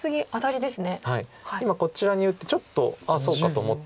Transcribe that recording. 今こちらに打ってちょっと「ああそうか」と思ったんです。